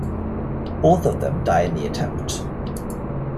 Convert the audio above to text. Both of them die in the attempt.